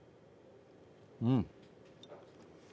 うん。